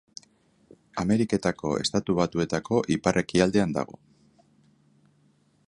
Ameriketako Estatu Batuetako ipar-ekialdean dago.